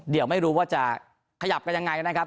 เดี๋ยวไม่รู้ว่าจะขยับกันยังไงนะครับ